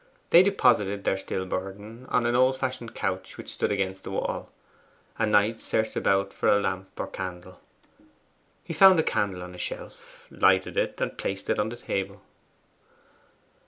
They deposited their still burden on an old fashioned couch which stood against the wall, and Knight searched about for a lamp or candle. He found a candle on a shelf, lighted it, and placed it on the table.